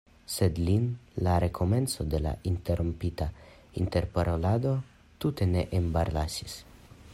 Sed lin la rekomenco de la interrompita interparolado tute ne embarasis.